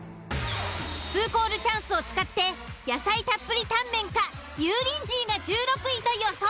２コールチャンスを使って野菜たっぷりタンメンか油淋鶏が１６位と予想。